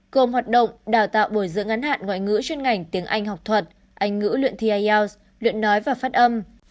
gồm hoạt động đào tạo bồi dưỡng ngắn hạn ngoại ngữ chuyên ngành tiếng anh học thuật anh ngữ luyện thi ielts luyện nói và phát âm